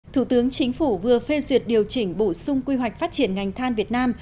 thủ tướng chính phủ vừa phê duyệt điều chỉnh bổ sung quy hoạch phát triển ngành than việt nam